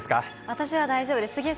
私は大丈夫です。